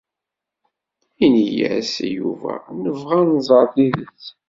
Ini-as i Yuba nebɣa ad nẓer tidet.